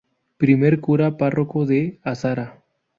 Primer cura párroco de Azara".